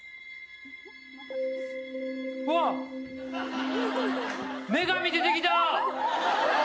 うわっ女神出てきた！